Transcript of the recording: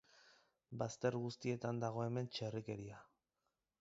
Bazter guztietan dago hemen txerrikeria.